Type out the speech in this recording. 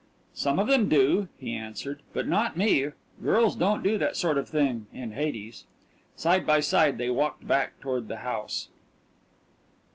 "Some of them do," he answered, "but not me. Girls don't do that sort of thing in Hades." Side by side they walked back toward the house.